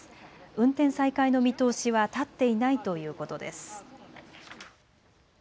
運転再開の見通しは立っていないということです。